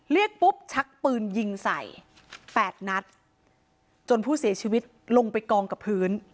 เรียกปุ๊บชักปืนยิงใส่๘นัดจนผู้เสียชีวิตลงไปกองกับพื้น